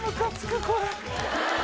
これ。